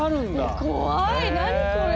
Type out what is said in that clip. え怖い何これ。